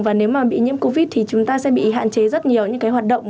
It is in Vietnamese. và nếu mà bị nhiễm covid thì chúng ta sẽ bị hạn chế rất nhiều những cái hoạt động